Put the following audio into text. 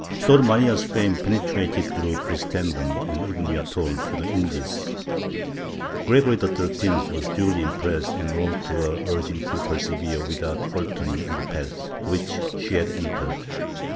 ^ Sor Maria's fame penetrated through Christendom and even, we are told, to the Indies. Gregory XIII was duly impressed and wrote to her urging to persevere without faltering in the path which she had entered.